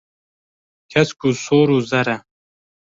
Kesk û sor û zer e.